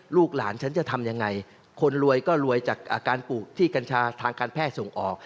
ลูกหลานฉันจะทำยังไงคนรวยก็รวยจากอาการปลูกที่กัญชาทางการแพทย์ส่งออก